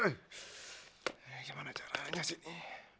gimana caranya sih ini